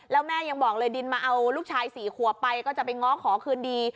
แล้วแม่ยังบอกเลยดินมาเอาลูกชาย๔ขวบไปก็จะไปง้อขอคืนดี